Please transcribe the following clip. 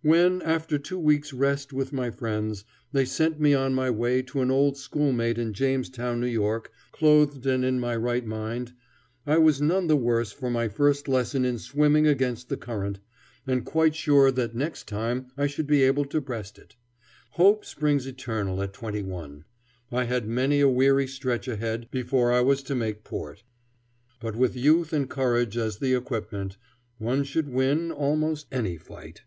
When, after two weeks' rest with my friends, they sent me on my way to an old schoolmate in Jamestown, N.Y., clothed and in my right mind, I was none the worse for my first lesson in swimming against the current, and quite sure that next time I should be able to breast it. Hope springs eternal at twenty one. I had many a weary stretch ahead before I was to make port. But with youth and courage as the equipment, one should win almost any fight.